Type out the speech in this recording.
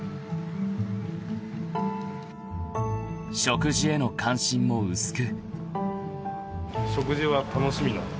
［食事への関心も薄く］